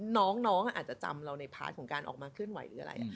น้องอาจจะจำเราในพาร์ทของการออกมาเคลื่อนไหวหรืออะไร